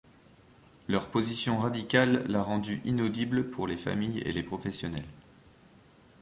Leur position radicale l'a rendu inaudible pour les familles et les professionnels.